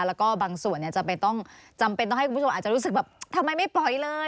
แล้วก็บางส่วนจำเป็นต้องให้คุณผู้ชมอาจจะรู้สึกแบบทำไมไม่ปล่อยเลย